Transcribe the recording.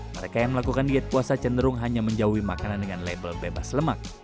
mereka yang melakukan diet puasa cenderung hanya menjauhi makanan dengan label bebas lemak